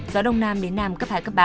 gió đông nam đến nam cấp hai ba